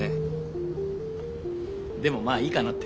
でもまあいいかなって。